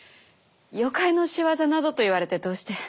妖怪の仕業などと言われてどうして？